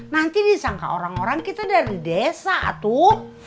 nanti disangka orang orang kita dari desa a tuh